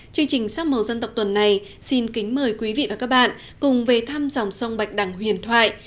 chương trình sắc màu dân tộc tuần này xin kính mời quý vị và các bạn cùng về thăm dòng sông bạch đằng huyền thoại